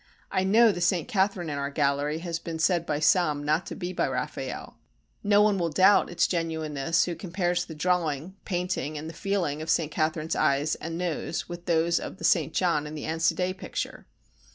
I know the S. Catharine in our gallery has been said by some not to be by Raffaelle. No one will doubt its genuineness who compares the drawing, painting and feeling of S. Catharine's eyes and nose with those of the S. John in the Ansidei picture.